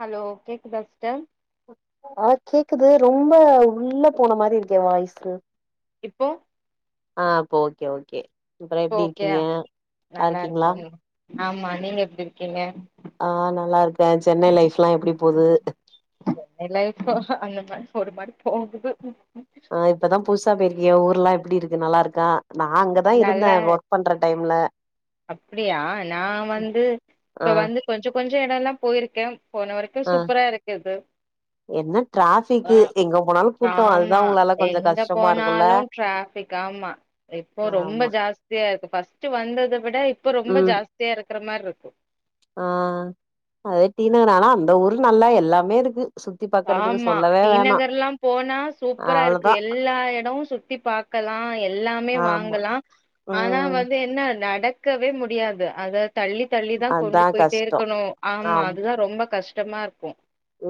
hello கேக்குதா sister க்குது ரொம்ப உள்ள போன மாரி இருக்கே வாய்ஸ்ஸு இப்போ ஆ அப்ப ஓகே ஓகே அப்பறம் இப்போ எப்டி ஓகேயா இருக்கீங்க நல்லா இருக்கீங்களா ஆமா நீங்க எப்டி இருக்கீங்க ஆ நல்லா இருக்கே சென்னை லைஃப் எல்லா எப்டி போது எல்லா இப்போ அந்த மாரி ஒரு மாரி போகுது ஆ இப்பதா புதுசா போயிருக்கிய ஊர்லா எப் இப்டி இருக்கு நல்லா இருக்கா நா அங்கதா நல்ல இருந்தே ஒர்க் பண்ற டைம்ல அப்டியா நா வந்து ஆ இப்ப வந்து கொஞ்ச கொஞ்ச [unintelligible] எட எல்லா போயிருக்கே போன வரைக்கு ஆ சூப்பரா இருக்குது என்ன அ டிராஃபிக்கு எங்க போனாலு கூட்டோ அது அதா ஆமா உங்களால கொஞ்சோ எங்க கஷ்டமா இருக்குல்ல போனாலு டராபிக் ஆமா இப்போ ரொம்ப ஆமா ஜாஸ்தியா இருக்கு ஃபஸ்ட் வந்தத விட இப்ப ரொம்ப ம் ஜாஸ்தியா இருக்கு க்கிறமாரி இருக்கு ஆ அதட் டினனானா அந்த ஊர் நல்லா எல்லாமே இருக்கு சுத்தி பாக்குறதுக்கு ஆமா சொல்லவே டீ வேணா நகர்ல்லா போனா சூப்பரா இருக்கு அவ்ளோதா எல்லா எடமு சுத்தி பாக்கலா எல்லாமே ஆமா வாங்கலா ஆனா ம் வந்து என்ன நட இக்கவே முடியாது அதத தள்ளி தள்ளி தா அதா கொண்டு போயிட்டே கஷ்டோ இருக்கணு ஆமா ஆம் அதுதா ரொம்ப கஷ்ட கஷ்டமா இருக்கு ம்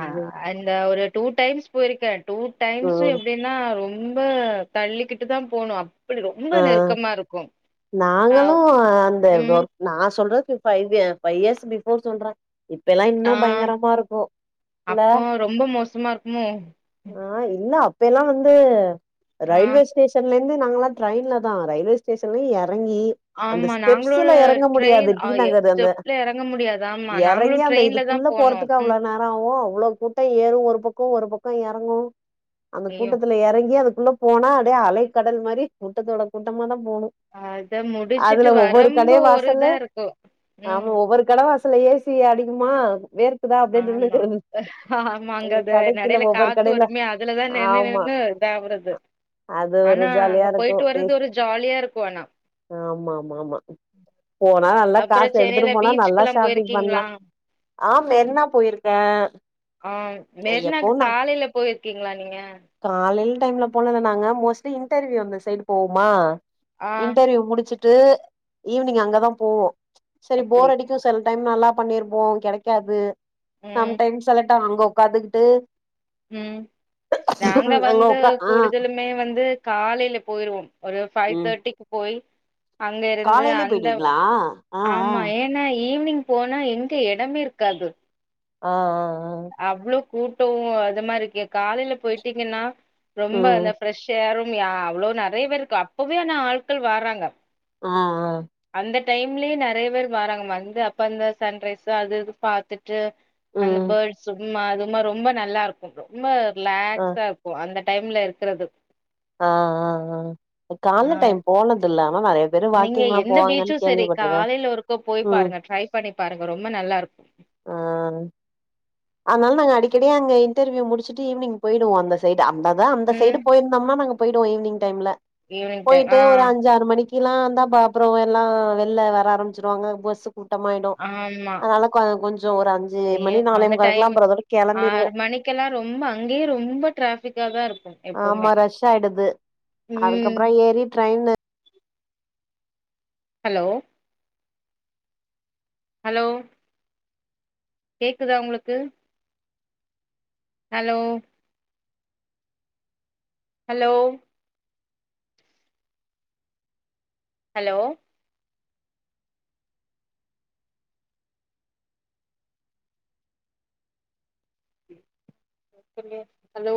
ஆ ம் இந்த ஒரு டூ டைம்ஸ் போயிருக்கே டூ டைம்ஸ் ம் ம் எப்டின்னா ரொ ரொம்ப தள்ளிக்கிட்டு தா போனு ஆ ஆ நாங்களு அந்த ம் நா சொல்றது ஃபைவ் ஃபைவ் இயர்ஸ் பிவோர் சொல்றே இப்பெல்லா இன்னு ஆ பயங்கரமா இருக்கு இல்ல அப்போ ரொம்ப மோசமா இருக்குமோ ஆ இல்ல இப்ப எல்லா வந்து ஆ ரயல்வேஸ்டேஷன்ல ந்து நாங்க ட்ரென்ல தா ரயில்வேஸ்டேஷலய எறங்கி அந்த ஆமா நாங்களு ஸ்டெப்ஸ்ல எறங்க முடியாது ட்ரெயின் நா எ அ ஸ்டெப்ல எறங்க முடியாது ஆமா நாங்களு எறங்கி அந்த ட்ரெயின்ல தா இதுக்குள்ள போனோ போறதுக்கு அவ்ளோ ம் நேரோ ஆகு அவ்ளோ கூட்ட ஏறு ஒரு பக்கோ ஒரு பக்கோ எறங்கு அந்த ஐயோ கூட்டத்ல எறங்கி அதுக்கு உள்ள போனா அப்டியே அலை கடல் மாரி கூட்டத்தோட கூட்டமா தம் அத முடிச்சுட்டு கடை வாசல்ல வரும்போரு‌தா இருக்கு உம் மொகத்ல ஏசி அடிக்குமா வேர்க் ஆமா ஆ ஆமா அங்கது கடைக்கில நடையில ஒவ்வொரு காத்து கடையில வருமே அதுலதா நின்னு ஆமா நின்னு இதாவுறது அது ஒரு ஆனா ஜாலியா அங்க போயிட் இருக்கு விட்டு வரது பேஸ் ஒரு ஜாலியா இருக்கு ஆனா ஆ நல்லா அப்புறோ காசு எடுத்துட்டு சென்னையில போனா நல்லா பீச்சுக்குல்லா ஷாப்பிங் பண்லா போயிருக்கீங்களா ஆம மெரின்ன போயிருக்கே ஆ மெரினாக்கு எப்போன்னா காலையில போயிருக்கீங்களா நீங்க காலேயில் டைம்ல போனது நாங்க மோஸ்ட்லி இன்டர்வியூ அந்த சைடு போமா ஆ இன்டர்வியூ முடிச்சுட் ட்டு ஈவினிங் அங்கதா போவோ சரி அப்டி போர் அடிக்கு செல டைம் நல்லா பண்ணிருப்போ கெடைக்காது சம் ம் டைம் செலக்ட் ட்டா அங்க ஒக்காந்துகிட்டு ம் நாங்க அங்க வந்து உக்கா ஆ கூடுதலுமே வந்து காலைல போயிருவோம் ஒரு ஃபைவ் ம் தேர்ட்டிக்கு போய் அங்கிருந்து காலையிலயே அந்த போயிடுவீங்களா ஆ ஆ ஆமா ஏன்னாய் ஈவினிங் போனா எங்க எடமே இருக்காது ஆ ஆ அவ்ளோ கூட்டோ அது மார் இருக்கே காலைல போயிட்டீங்கன்னா ஆ ரொம்ப அந்த ம் ஃப்ரெஷ் ஹேரு உண்மையா அவ்ளோ நறையா பேருக்கு அப்பவே ஆனா ஆட்கள் வாராங்க ஆ ஆ அந்த டைம்லயே நறையா பேர் வாராங்கமா வந்து அப்ப அந்த சன்ரைஸ்ஸு அது இது பாத்துட் ட்டு அந்த ம் போட்ஸ் ம்மா அதுமா ரொம்ப நல்லா இருக்கும் ஃப்ரோ ரொம்ப லேக்ஸா இருக்கு அந்த டைம்ல இருக்குறது ஆ ஆ ஆ ஆ இந்த கால்ல ஆ டைம் போனதுல நீங்க எந்த பீச்சு சேரி கேள்விப்பட்டிருக்கே காலையில ஒருக்கா போய் ம் பாருங்க ட்ரை பண்ணி பாருங்க ரொம்ப நல்லாருக்கு ஆனாலு நாங்க அடிக்கடி அங்க இன்டர்வியு முடுச்சுட்டு ஈவினிங் போயிடுவோ அந்த சை டு அப்பதா அந்த சைடு ம் போயிருந்தோம்மா நாங்க போயிடுவோ ஈவினிங் டைம்ல ஈவினிங் டைம் போயிட்டு ஆ ஒரு அஞ்சாறு மணிக்கு கில்லா இருந்தா பா அப்புறோ எல்லா வெள்ல வர ஆரம்பிச்சுருவாங்க பஸ்ஸு கூட்டமாயிடு ஆமா அதனால கொஞ்சோ ஒரு அஞ்சு மணி நாளே முக்காளுக்கு டைமு ஆறு மணிக்கெல்லா ரொம்ப அங்கயே ரொம்ப டிராபிக்காதா இருக்கு எப்பவுமே ஆமா ரஷ்ஷா ஆயிடுது ம் அதுக்கப்புறோ ஏரிட் டிரேக் [unintelligible] ஹலோ ஹலோ கேக்குதா உங்களுக்கு ஹலோ ஹலோ ஹலோ [inaudible] ஹலோ